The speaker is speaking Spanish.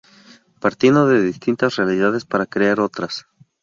Partiendo de distintas realidades, para crear otras.